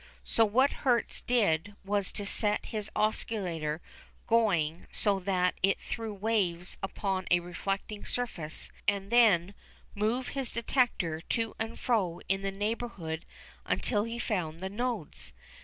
So what Hertz did was to set his oscillator going so that it threw waves upon a reflecting surface and then move his detector to and fro in the neighbourhood until he found the nodes.